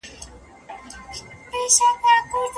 آیا توره شپه تر سهار تیاره ده؟